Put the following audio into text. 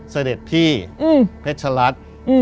เสด็จพี่เพชรรัฐ